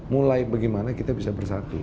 mulai bagaimana kita bisa bersatu